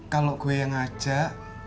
kalau gue yang ngajak